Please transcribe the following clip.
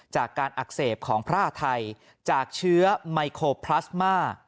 จากการอักเสบของพระอาทัยจากเชื้อไมโครพลาสมา